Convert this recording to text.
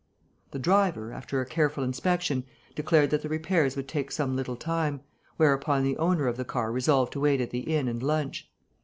The driver, after a careful inspection, declared that the repairs would take some little time, whereupon the owner of the car resolved to wait at the inn and lunch.